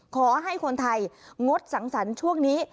ขอให้คนไทยงดสังสรรค์ช่วงนี้